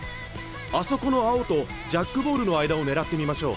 あそこの青とジャックボールの間を狙ってみましょう。